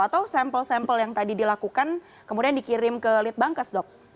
atau sampel sampel yang tadi dilakukan kemudian dikirim ke litbangkes dok